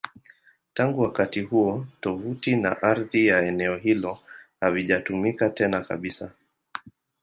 Tangu wakati huo, tovuti na ardhi ya eneo hilo havijatumika tena kabisa.